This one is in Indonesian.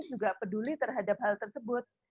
juga peduli terhadap hal tersebut